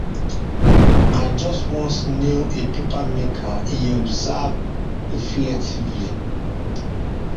"I just once knew a paper-maker," he observed reflectively.